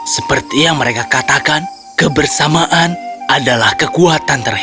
seperti yang mereka katakan kebersamaan adalah kekuatan terhenti